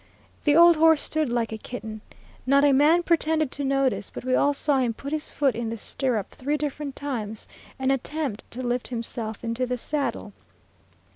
The old horse stood like a kitten. Not a man pretended to notice, but we all saw him put his foot in the stirrup three different times and attempt to lift himself into the saddle.